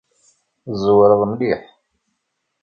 Tẓewreḍ mliḥ.